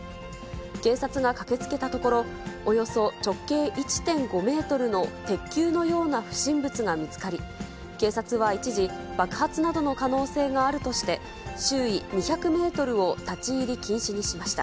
警察が駆けつけたところ、およそ直径１．５メートルの鉄球のような不審物が見つかり、警察は一時、爆発などの可能性があるとして、周囲２００メートルを立ち入り禁止にしました。